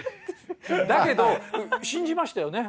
だけど信じましたよね？